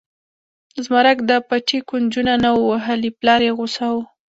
زمرک د پټي کونجونه نه و وهلي پلار یې غوسه و.